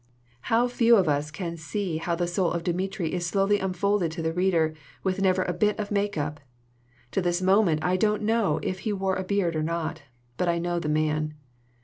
"How few of us can see how the soul of Dmitri is slowly unfolded to the reader with never a bit of make up! To this moment, I don't know if he wore a beard or not; but I know the man.